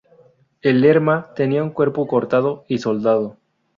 El Lerma tenía un cuerpo "cortado y soldado".